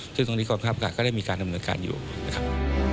ซึ่งตรงนี้กองทัพการก็ได้มีการดำเนินการอยู่นะครับ